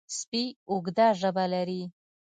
سپي اوږده ژبه لري.